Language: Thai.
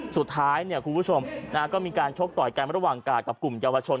สุดท้ายคุณผู้ชมก็มีการชกต่อยกันระหว่างกาดกับกลุ่มเยาวชน